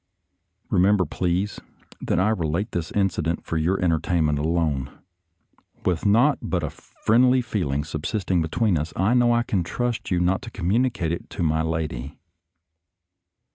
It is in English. Eemember, please, that I relate this incident for your entertainment alone. With naught but a friendly feeling subsisting between us, I know 218 SOLDIER'S LETTERS TO CHARMING NELLIE I can trust you not to communicate it to my lady.